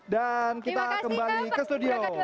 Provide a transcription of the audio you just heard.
dan kita kembali ke studio